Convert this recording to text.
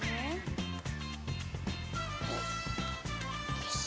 よし！